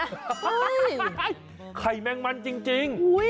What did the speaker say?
ไข่แมงมันจริง